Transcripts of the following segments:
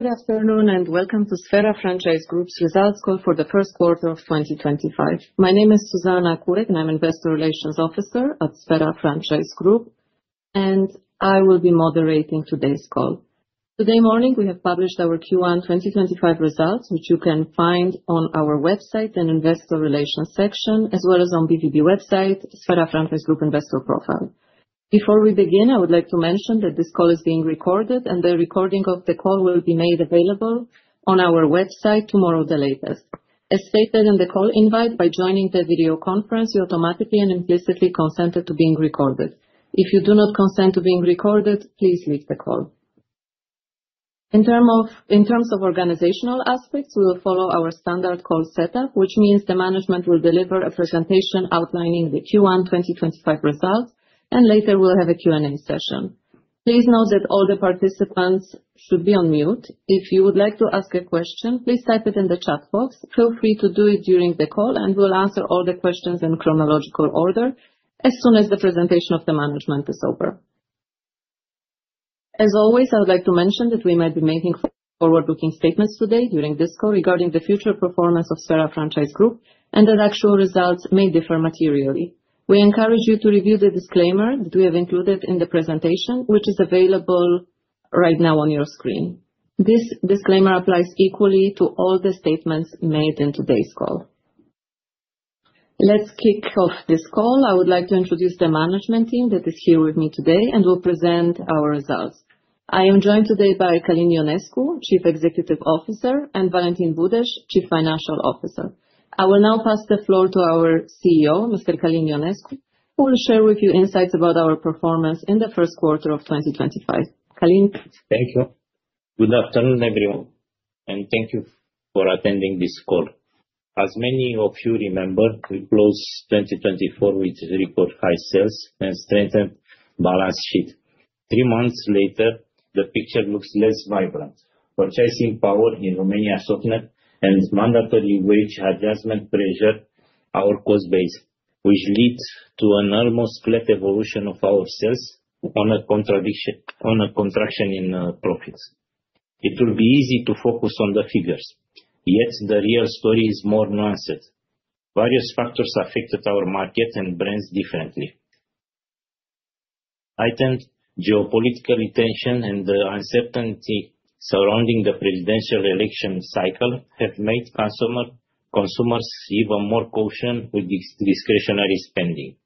Good afternoon and welcome to Sphera Franchise Group's results call for the first quarter of 2025. My name is Zuzanna Kurek, and I'm Investor Relations Officer at Sphera Franchise Group, and I will be moderating today's call. Today morning, we have published our Q1 2025 results, which you can find on our website in the Investor Relations section, as well as on the BVB website, Sphera Franchise Group Investor Profile. Before we begin, I would like to mention that this call is being recorded, and the recording of the call will be made available on our website tomorrow the latest. As stated in the call invite, by joining the video conference, you automatically and implicitly consented to being recorded. If you do not consent to being recorded, please leave the call. In terms of organizational aspects, we will follow our standard call setup, which means the management will deliver a presentation outlining the Q1 2025 results, and later we'll have a Q&A session. Please note that all the participants should be on mute. If you would like to ask a question, please type it in the chat box. Feel free to do it during the call, and we'll answer all the questions in chronological order as soon as the presentation of the management is over. As always, I would like to mention that we might be making forward-looking statements today during this call regarding the future performance of Sphera Franchise Group and that actual results may differ materially. We encourage you to review the disclaimer that we have included in the presentation, which is available right now on your screen. This disclaimer applies equally to all the statements made in today's call. Let's kick off this call. I would like to introduce the management team that is here with me today and will present our results. I am joined today by Călin Ionescu, Chief Executive Officer, and Valentin Budeș, Chief Financial Officer. I will now pass the floor to our CEO, Mr. Călin Ionescu, who will share with you insights about our performance in the first quarter of 2025. Călin. Thank you. Good afternoon, everyone, and thank you for attending this call. As many of you remember, we closed 2024 with record high sales and strengthened balance sheet. Three months later, the picture looks less vibrant. Purchasing power in Romania has softened, and mandatory wage adjustment pressured our cost base, which led to an almost flat evolution of our sales on a contraction in profits. It will be easy to focus on the figures, yet the real story is more nuanced. Various factors affected our market and brands differently. I think geopolitical tension and the uncertainty surrounding the presidential election cycle have made consumers even more cautious with discretionary spending.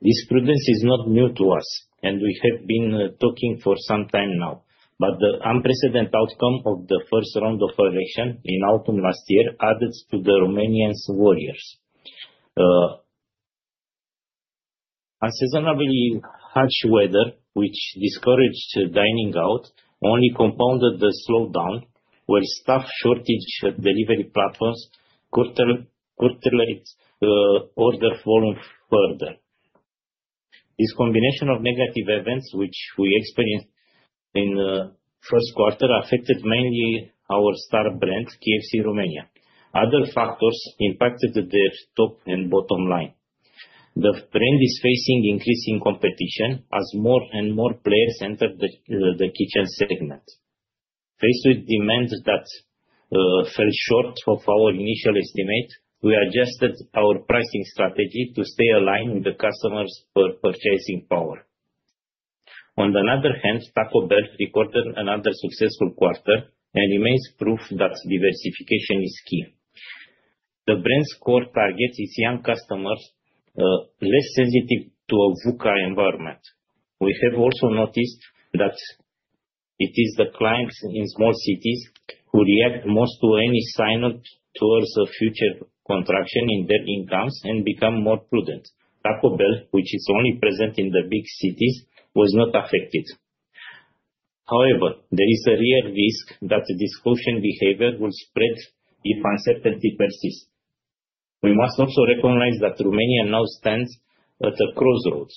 This prudence is not new to us, and we have been talking for some time now, but the unprecedented outcome of the first round of elections in autumn last year added to the Romanian's worries. Unseasonably harsh weather, which discouraged dining out, only compounded the slowdown, where staff shortage delivery platforms curtailed order volume further. This combination of negative events, which we experienced in the first quarter, affected mainly our star brand, KFC Romania. Other factors impacted their top and bottom line. The brand is facing increasing competition as more and more players enter the kitchen segment. Faced with demand that fell short of our initial estimate, we adjusted our pricing strategy to stay aligned with the customers' purchasing power. On the other hand, Taco Bell recorded another successful quarter, and remains proof that diversification is key. The brand's core target is young customers less sensitive to a VUCA environment. We have also noticed that it is the clients in small cities who react most to any signal towards a future contraction in their incomes and become more prudent. Taco Bell, which is only present in the big cities, was not affected. However, there is a real risk that the discretionary behavior will spread if uncertainty persists. We must also recognize that Romania now stands at a crossroads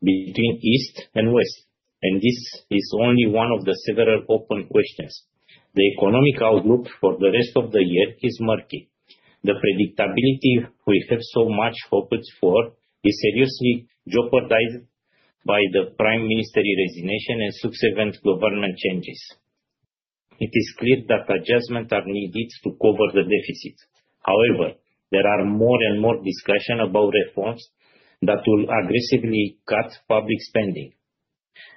between East and West, and this is only one of the several open questions. The economic outlook for the rest of the year is murky. The predictability we have so much hoped for is seriously jeopardized by the Prime Minister's resignation and subsequent government changes. It is clear that adjustments are needed to cover the deficit. However, there are more and more discussions about reforms that will aggressively cut public spending.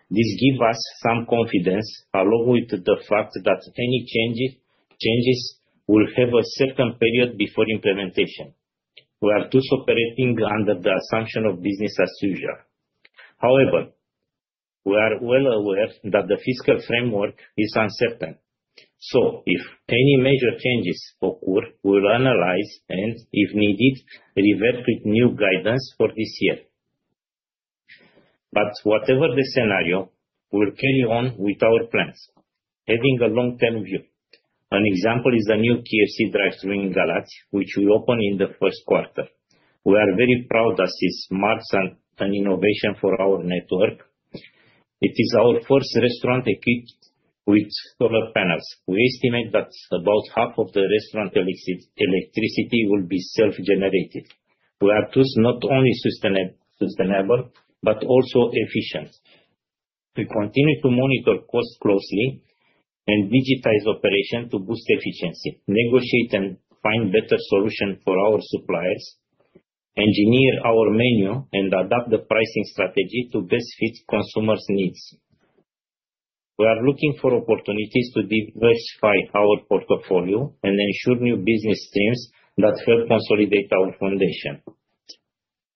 This gives us some confidence, along with the fact that any changes will have a certain period before implementation. We are too operating under the assumption of business as usual. However, we are well aware that the fiscal framework is uncertain. If any major changes occur, we will analyze and, if needed, revert with new guidance for this year. Whatever the scenario, we'll carry on with our plans, having a long-term view. An example is the new KFC drive-thru in Galați, which we opened in the first quarter. We are very proud that it's smart and an innovation for our network. It is our first restaurant equipped with solar panels. We estimate that about half of the restaurant electricity will be self-generated. We are too not only sustainable but also efficient. We continue to monitor costs closely and digitize operations to boost efficiency, negotiate, and find better solutions for our suppliers, engineer our menu, and adapt the pricing strategy to best fit consumers' needs. We are looking for opportunities to diversify our portfolio and ensure new business streams that help consolidate our foundation.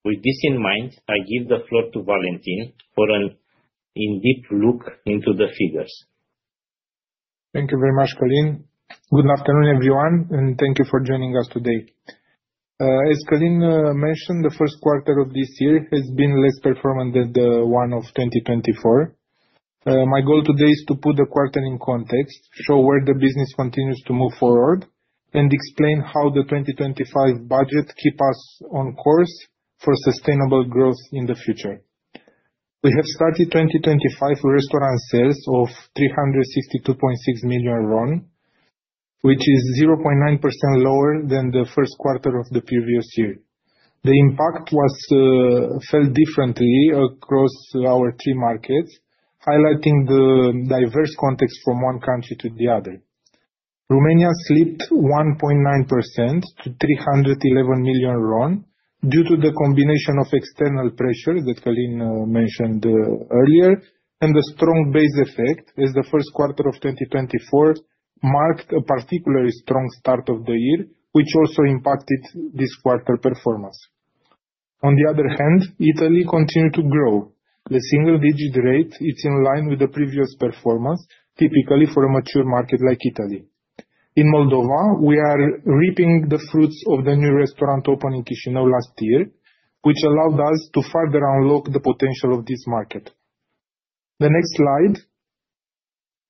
With this in mind, I give the floor to Valentin for a deep look into the figures. Thank you very much, Călin. Good afternoon, everyone, and thank you for joining us today. As Călin mentioned, the first quarter of this year has been less performant than the one of 2024. My goal today is to put the quarter in context, show where the business continues to move forward, and explain how the 2025 budget keeps us on course for sustainable growth in the future. We have started 2025 restaurant sales of RON 362.6 million, which is 0.9% lower than the first quarter of the previous year. The impact fell differently across our three markets, highlighting the diverse context from one country to the other. Romania slipped 1.9% to RON 311 million due to the combination of external pressures that Călin mentioned earlier and the strong base effect as the first quarter of 2024 marked a particularly strong start of the year, which also impacted this quarter's performance. On the other hand, Italy continued to grow. The single-digit rate is in line with the previous performance, typically for a mature market like Italy. In Moldova, we are reaping the fruits of the new restaurant opening in Chișinău last year, which allowed us to further unlock the potential of this market. The next slide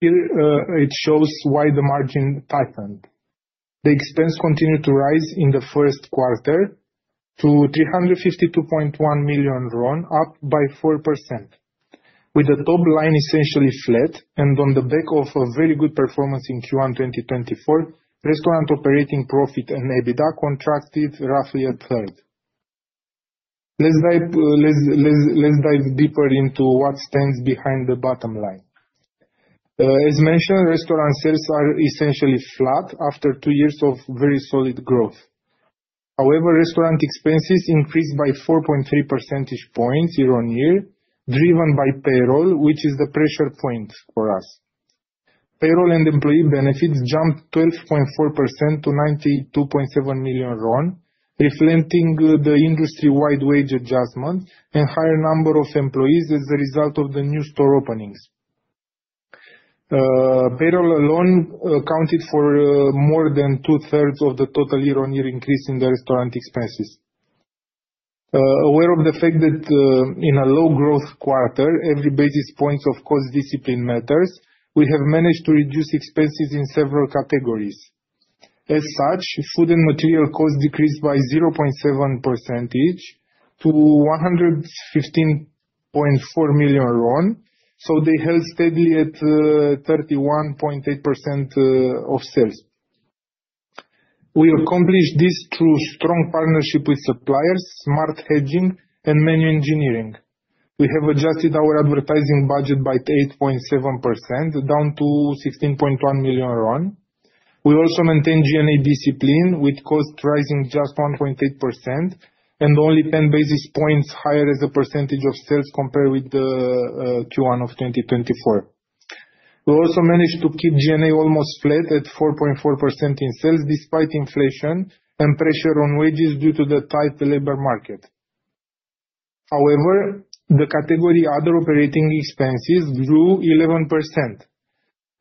here shows why the margin tightened. The expense continued to rise in the first quarter to RON 352.1 million, up by 4%. With the top line essentially flat and on the back of a very good performance in Q1 2024, restaurant operating profit and EBITDA contracted roughly a third. Let's dive deeper into what stands behind the bottom line. As mentioned, restaurant sales are essentially flat after two years of very solid growth. However, restaurant expenses increased by 4.3 percentage points year-on-year, driven by payroll, which is the pressure point for us. Payroll and employee benefits jumped 12.4% to RON 92.7 million, reflecting the industry-wide wage adjustment and higher number of employees as a result of the new store openings. Payroll alone accounted for more than 2/3 of the total year-on-year increase in the restaurant expenses. Aware of the fact that in a low-growth quarter, every basis point of cost discipline matters, we have managed to reduce expenses in several categories. As such, food and material costs decreased by 0.7% to RON 115.4 million, so they held steadily at 31.8% of sales. We accomplished this through strong partnership with suppliers, smart hedging, and menu engineering. We have adjusted our advertising budget by 8.7%, down to RON 16.1 million. We also maintained G&A discipline, with costs rising just 1.8% and only 10 basis points higher as a percentage of sales compared with Q1 of 2024. We also managed to keep G&A almost flat at 4.4% in sales, despite inflation and pressure on wages due to the tight labor market. However, the category Other Operating Expenses grew 11%,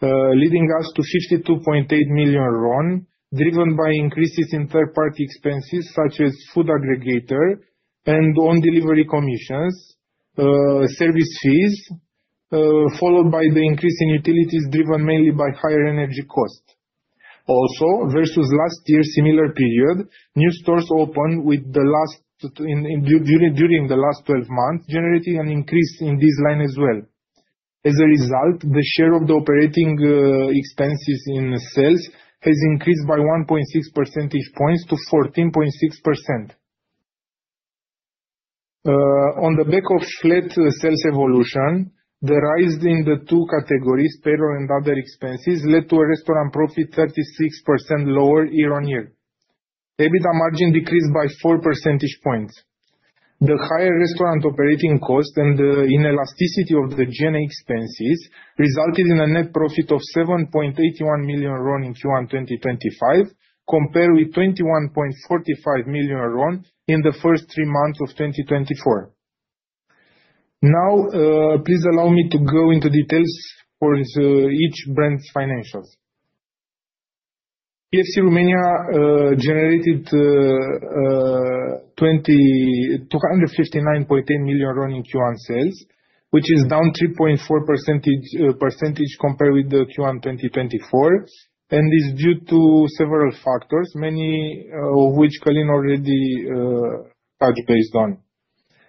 leading us to RON 52.8 million, driven by increases in third-party expenses such as food aggregator and on-delivery commissions, service fees, followed by the increase in utilities driven mainly by higher energy costs. Also, versus last year's similar period, new stores opened during the last 12 months, generating an increase in this line as well. As a result, the share of the operating expenses in sales has increased by 1.6 percentage points to 14.6%. On the back of flat sales evolution, the rise in the two categories, payroll and other expenses, led to a restaurant profit 36% lower year-on-year. EBITDA margin decreased by 4 percentage points. The higher restaurant operating costs and the inelasticity of the G&A expenses resulted in a net profit of RON 7.81 million in Q1 2025, compared with RON 21.45 million in the first three months of 2024. Now, please allow me to go into details for each brand's financials. KFC Romania generated RON 259.8 million in Q1 sales, which is down 3.4 percentage points compared with Q1 2024, and is due to several factors, many of which Călin already touched on.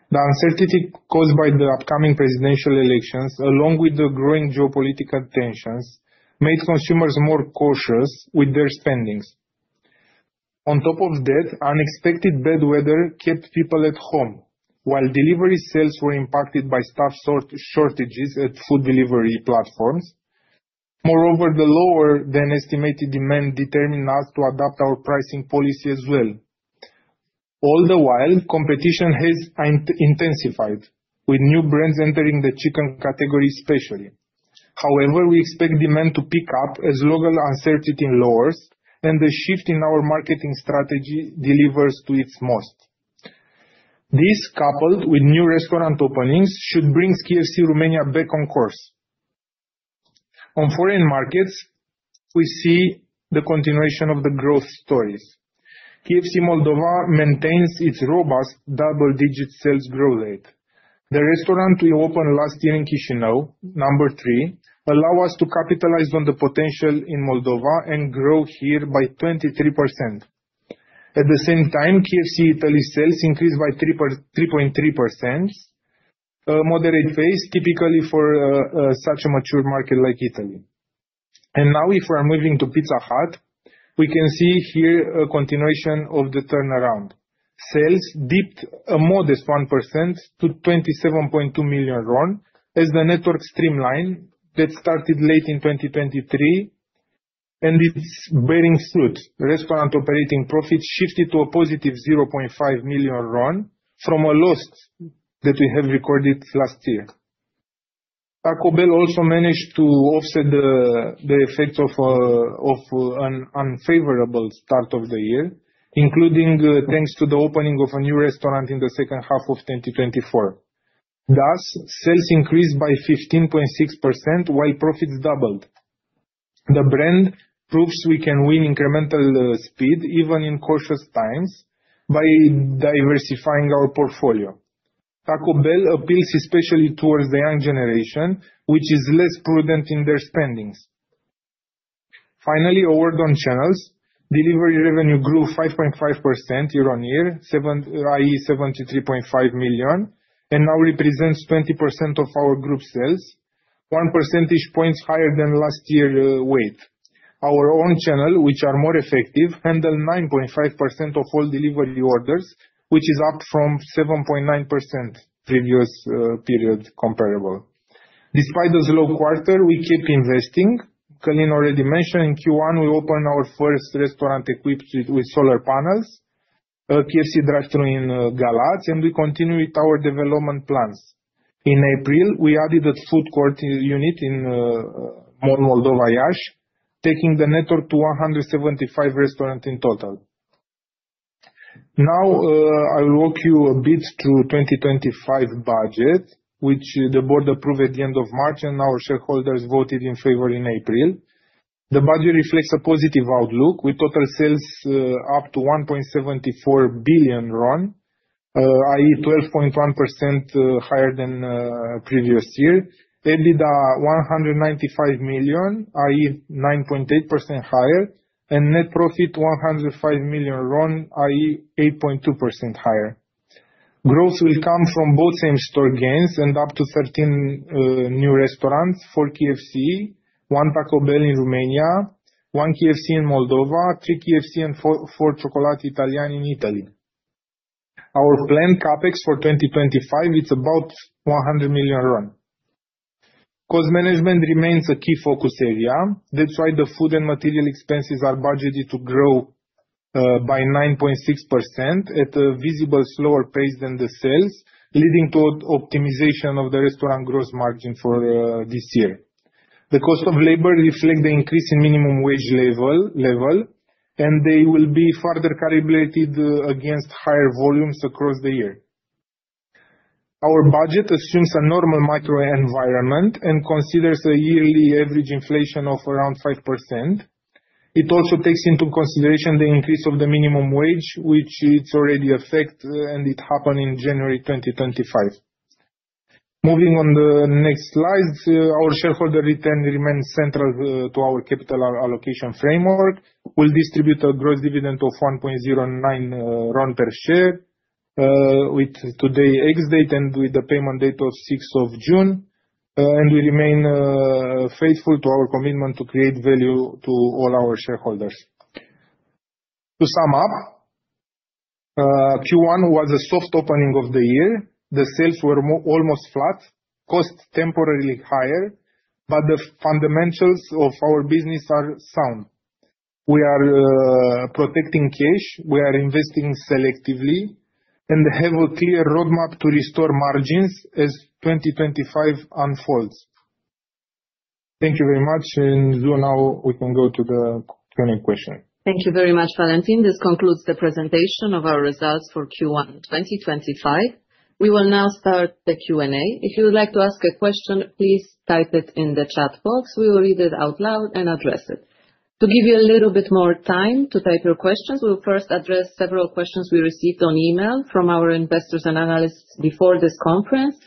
The uncertainty caused by the upcoming presidential elections, along with the growing geopolitical tensions, made consumers more cautious with their spendings. On top of that, unexpected bad weather kept people at home, while delivery sales were impacted by staff shortages at food delivery platforms. Moreover, the lower-than-estimated demand determined us to adapt our pricing policy as well. All the while, competition has intensified, with new brands entering the chicken category especially. However, we expect demand to pick up as local uncertainty lowers and the shift in our marketing strategy delivers to its most. This, coupled with new restaurant openings, should bring KFC Romania back on course. On foreign markets, we see the continuation of the growth stories. KFC Moldova maintains its robust double-digit sales growth rate. The restaurant we opened last year in Chișinău, number three, allowed us to capitalize on the potential in Moldova and grow here by 23%. At the same time, KFC Italy's sales increased by 3.3%, a moderate phase, typically for such a mature market like Italy. If we are moving to Pizza Hut, we can see here a continuation of the turnaround. Sales dipped a modest 1% to RON 27.2 million as the network streamlined that started late in 2023, and it's bearing fruit. Restaurant operating profits shifted to a positive RON 0.5 million from a loss that we have recorded last year. Taco Bell also managed to offset the effects of an unfavorable start of the year, including thanks to the opening of a new restaurant in the second half of 2024. Thus, sales increased by 15.6% while profits doubled. The brand proves we can win incremental speed, even in cautious times, by diversifying our portfolio. Taco Bell appeals especially towards the young generation, which is less prudent in their spendings. Finally, our own channels, delivery revenue grew 5.5% YoY, i.e., RON 73.5 million, and now represents 20% of our group sales, 1 percentage point higher than last year's weight. Our own channels, which are more effective, handle 9.5% of all delivery orders, which is up from 7.9% previous period comparable. Despite the slow quarter, we keep investing. Călin already mentioned in Q1, we opened our first restaurant equipped with solar panels, KFC drive-thru in Galați, and we continue with our development plans. In April, we added a food court unit in Mall Moldova Iași, taking the network to 175 restaurants in total. Now, I will walk you a bit through the 2025 budget, which the board approved at the end of March, and our shareholders voted in favor in April. The budget reflects a positive outlook, with total sales up to RON 1.74 billion, i.e., 12.1% higher than previous year, EBITDA RON 195 million, i.e., 9.8% higher, and net profit RON 105 million, i.e., 8.2% higher. Growth will come from both same-store gains and up to 13 new restaurants for KFC, one Taco Bell in Romania, one KFC in Moldova, three KFC, and four Cioccolatitaliani in Italy. Our planned CapEX for 2025 is about RON 100 million. Cost management remains a key focus area. That's why the food and material expenses are budgeted to grow by 9.6% at a visibly slower pace than the sales, leading to an optimization of the restaurant gross margin for this year. The cost of labor reflects the increase in minimum wage level, and they will be further calibrated against higher volumes across the year. Our budget assumes a normal macro environment and considers a yearly average inflation of around 5%. It also takes into consideration the increase of the minimum wage, which it's already affected, and it happened in January 2025. Moving on to the next slide, our shareholder return remains central to our capital allocation framework. We will distribute a gross dividend of RON 1.09 per share with today's ex-date and with the payment date of June 6, and we remain faithful to our commitment to create value to all our shareholders. To sum up, Q1 was a soft opening of the year. The sales were almost flat, costs temporarily higher, but the fundamentals of our business are sound. We are protecting cash, we are investing selectively, and have a clear roadmap to restore margins as 2025 unfolds. Thank you very much, and Zuzanna, we can go to the Q&A question. Thank you very much, Valentin. This concludes the presentation of our results for Q1 2025. We will now start the Q&A. If you would like to ask a question, please type it in the chat box. We will read it out loud and address it. To give you a little bit more time to type your questions, we will first address several questions we received on email from our investors and analysts before this conference.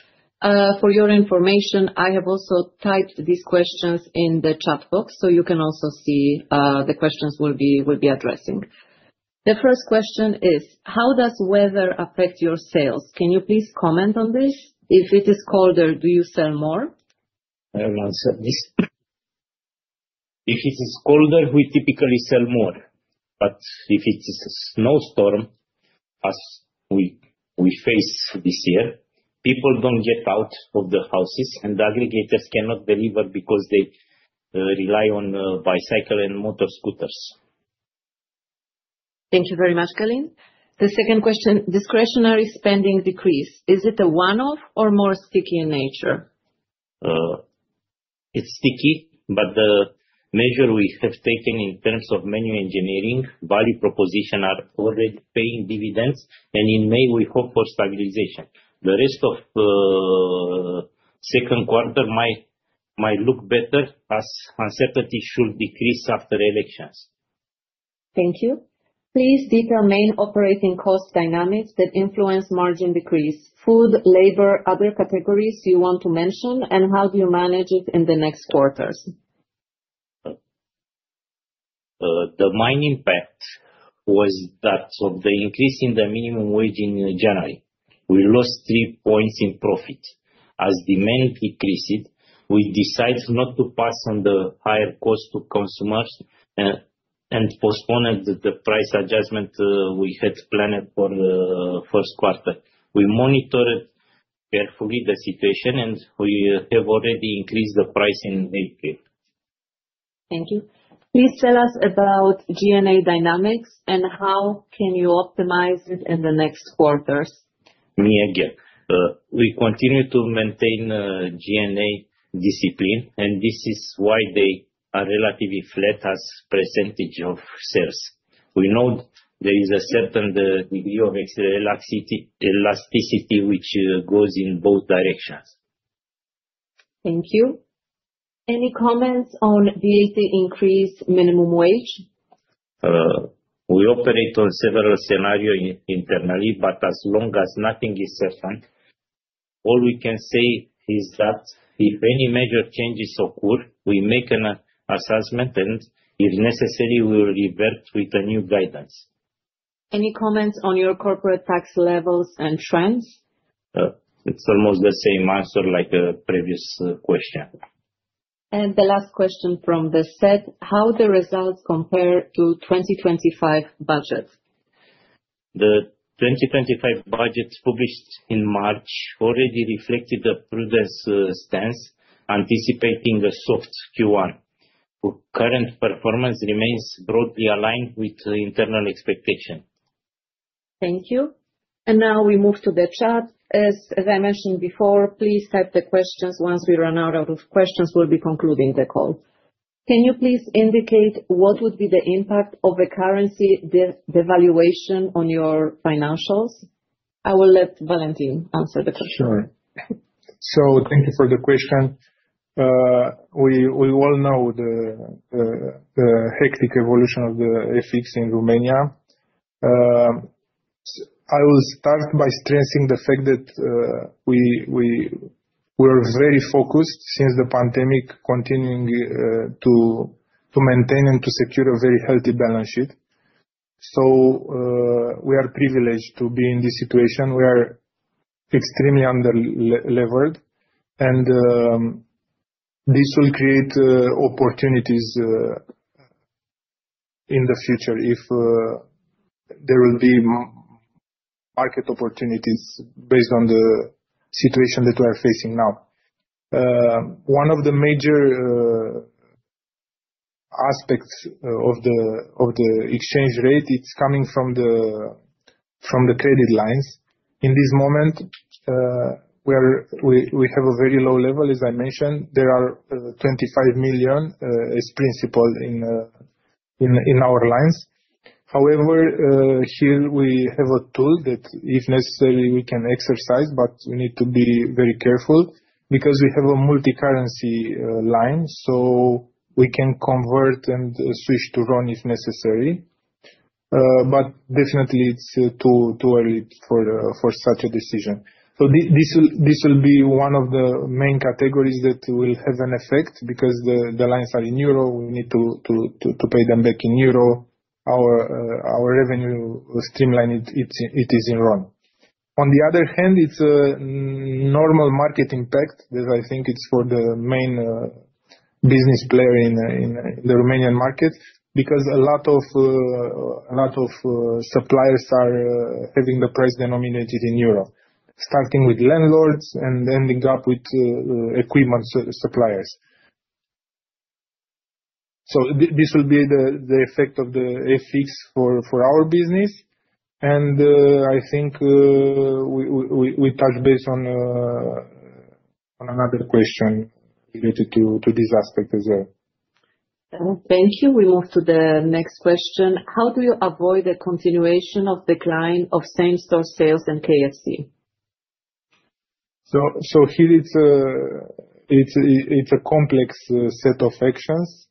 For your information, I have also typed these questions in the chat box, so you can also see the questions we will be addressing. The first question is, how does weather affect your sales? Can you please comment on this? If it is colder, do you sell more? I have an answer to this. If it is colder, we typically sell more. If it is a snowstorm, as we face this year, people do not get out of the houses, and the aggregators cannot deliver because they rely on bicycles and motor scooters. Thank you very much, Călin. The second question, discretionary spending decreased. Is it a one-off or more sticky in nature? It's sticky, but the measure we have taken in terms of menu engineering, value propositions are already paying dividends, and in May, we hope for stabilization. The rest of the second quarter might look better as uncertainty should decrease after elections. Thank you. Please detail main operating cost dynamics that influence margin decrease. Food, labor, other categories you want to mention, and how do you manage it in the next quarters? The main impact was that of the increase in the minimum wage in January. We lost three percentage points in profit. As demand decreased, we decided not to pass on the higher cost to consumers and postponed the price adjustment we had planned for the first quarter. We monitored carefully the situation, and we have already increased the price in April. Thank you. Please tell us about G&A dynamics and how can you optimize it in the next quarters. Me again. We continue to maintain G&A discipline, and this is why they are relatively flat as percentage of sales. We know there is a certain degree of elasticity which goes in both directions. Thank you. Any comments on delayed increase in minimum wage? We operate on several scenarios internally, but as long as nothing is certain, all we can say is that if any major changes occur, we make an assessment, and if necessary, we will revert with a new guidance. Any comments on your corporate tax levels and trends? It's almost the same answer like a previous question. The last question from the set: how do the results compare to the 2025 budget? The 2025 budget published in March already reflected the prudent stance, anticipating a soft Q1. Current performance remains broadly aligned with internal expectations. Thank you. Now we move to the chat. As I mentioned before, please type the questions. Once we run out of questions, we'll be concluding the call. Can you please indicate what would be the impact of the currency devaluation on your financials? I will let Valentin answer the question. Sure. Thank you for the question. We all know the hectic evolution of the FX in Romania. I will start by stressing the fact that we were very focused since the pandemic, continuing to maintain and to secure a very healthy balance sheet. We are privileged to be in this situation. We are extremely under-levered, and this will create opportunities in the future if there will be market opportunities based on the situation that we are facing now. One of the major aspects of the exchange rate is coming from the credit lines. In this moment, we have a very low level, as I mentioned. There are 25 million as principal in our lines. However, here we have a tool that, if necessary, we can exercise, but we need to be very careful because we have a multi-currency line, so we can convert and switch to RON if necessary. It is too early for such a decision. This will be one of the main categories that will have an effect because the lines are in euro. We need to pay them back in euro. Our revenue streamline, it is in RON. On the other hand, it's a normal market impact that I think it's for the main business player in the Romanian market because a lot of suppliers are having the price denominated in euro, starting with landlords and ending up with equipment suppliers. This will be the effect of the FX for our business. I think we touched base on another question related to this aspect as well. Thank you. We move to the next question. How do you avoid the continuation of decline of same-store sales and KFC? Here, it's a complex set of actions.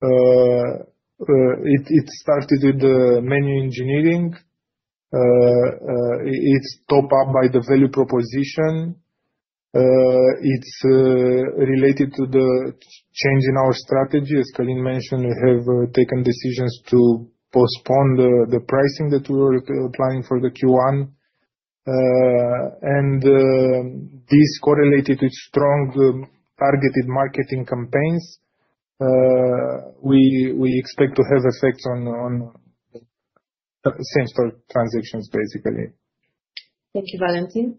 It started with the menu engineering. It's topped up by the value proposition. It's related to the change in our strategy. As Călin mentioned, we have taken decisions to postpone the pricing that we were applying for the Q1. This correlated with strong targeted marketing campaigns. We expect to have effects on same-store transactions, basically. Thank you, Valentin.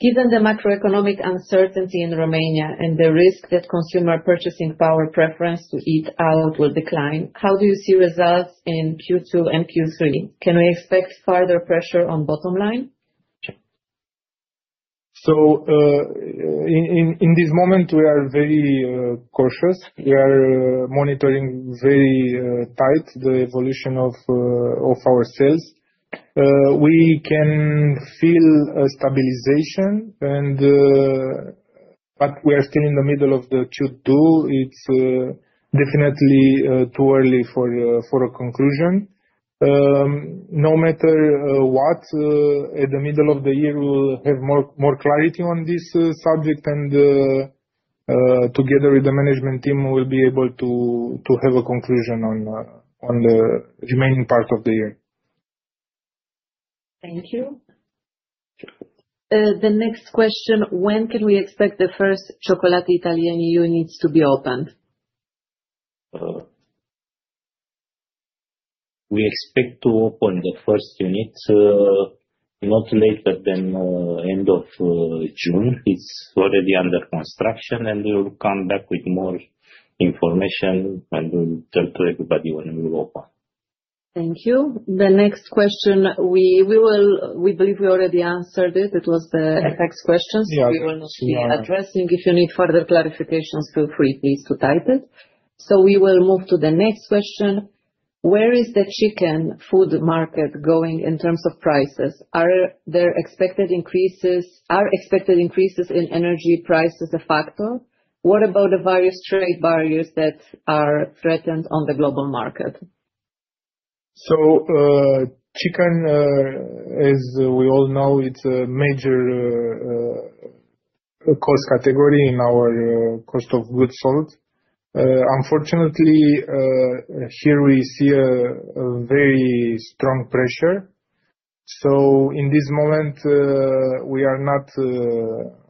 Given the macroeconomic uncertainty in Romania and the risk that consumer purchasing power preference to eat out will decline, how do you see results in Q2 and Q3? Can we expect further pressure on bottom line? In this moment, we are very cautious. We are monitoring very tight the evolution of our sales. We can feel a stabilization, but we are still in the middle of the to-do. It is definitely too early for a conclusion. No matter what, at the middle of the year, we will have more clarity on this subject, and together with the management team, we will be able to have a conclusion on the remaining part of the year. Thank you. The next question: when can we expect the first Cioccolatitaliani units to be opened? We expect to open the first units not later than the end of June. It's already under construction, and we will come back with more information, and we'll tell everybody when we open. Thank you. The next question, we believe we already answered it. It was the FX questions. We will not be addressing. If you need further clarifications, feel free, please, to type it. We will move to the next question. Where is the chicken food market going in terms of prices? Are expected increases in energy prices a factor? What about the various trade barriers that are threatened on the global market? Chicken, as we all know, it's a major cost category in our cost of goods sold. Unfortunately, here we see a very strong pressure. In this moment, we are not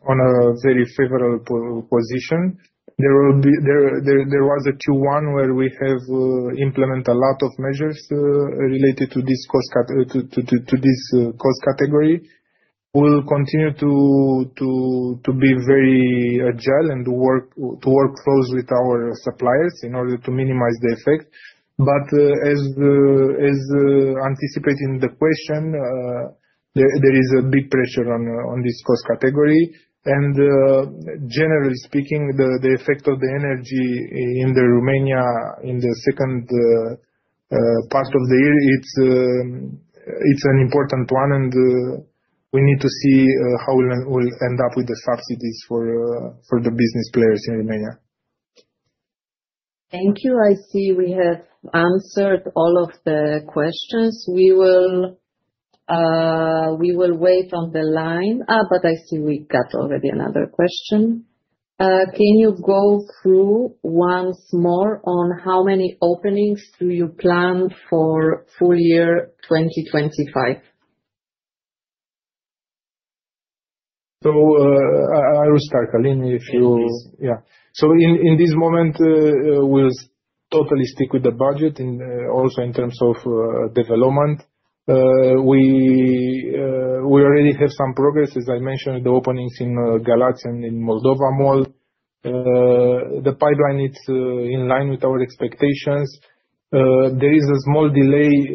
on a very favorable position. There was a Q1 where we have implemented a lot of measures related to this cost category. We will continue to be very agile and to work close with our suppliers in order to minimize the effect. As anticipated in the question, there is a big pressure on this cost category. Generally speaking, the effect of the energy in Romania in the second part of the year, it is an important one, and we need to see how we will end up with the subsidies for the business players in Romania. Thank you. I see we have answered all of the questions. We will wait on the line, but I see we got already another question. Can you go through once more on how many openings do you plan for full year 2025? I will start, Călin, if you—yeah. In this moment, we'll totally stick with the budget, also in terms of development. We already have some progress, as I mentioned, the openings in Galați and in Moldova Mall. The pipeline is in line with our expectations. There is a small delay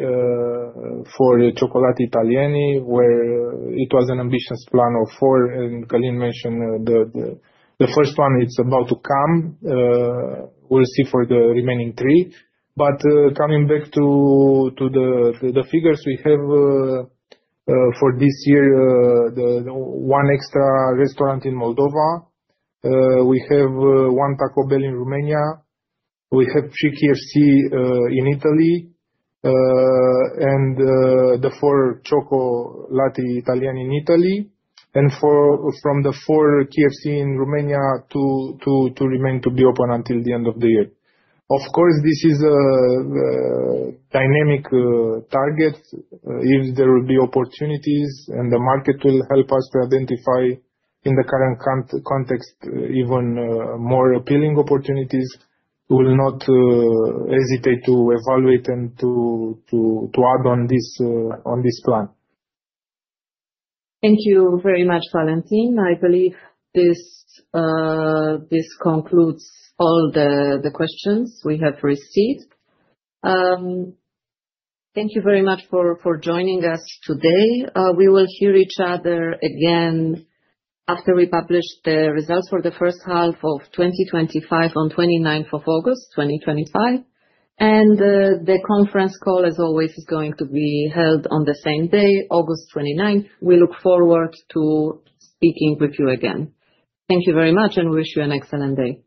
for Cioccolatitaliani, where it was an ambitious plan of four. And Călin mentioned the first one is about to come. We'll see for the remaining three. Coming back to the figures, we have for this year one extra restaurant in Moldova. We have one Taco Bell in Romania. We have three KFC in Italy and the four Cioccolatitaliani in Italy. From the four KFC in Romania, two remain to be open until the end of the year. Of course, this is a dynamic target. If there will be opportunities and the market will help us to identify in the current context even more appealing opportunities, we will not hesitate to evaluate and to add on this plan. Thank you very much, Valentin. I believe this concludes all the questions we have received. Thank you very much for joining us today. We will hear each other again after we publish the results for the first half of 2025 on 29th of August, 2025. The conference call, as always, is going to be held on the same day, August 29th. We look forward to speaking with you again. Thank you very much, and we wish you an excellent day.